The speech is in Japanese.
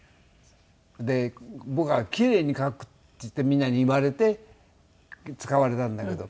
で僕はキレイに書くってみんなに言われて使われたんだけど。